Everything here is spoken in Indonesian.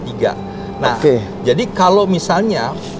nah jadi kalau misalnya